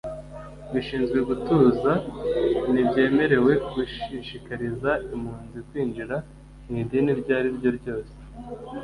bishinzwe gutuza ntibyemerewe gushishikariza impunzi kwinjira mu idini iryo ari ryo ryose